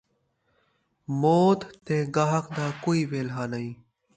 موت تے گاہک دا کئی ویلھا نئیں